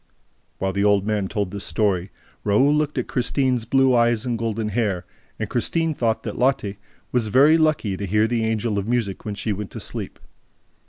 While the old man told this story, Raoul looked at Christine's blue eyes and golden hair; and Christine thought that Lotte was very lucky to hear the Angel of Music when she went to sleep.